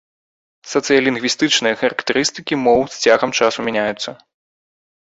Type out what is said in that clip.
Сацыялінгвістычныя характарыстыкі моў з цягам часу мяняюцца.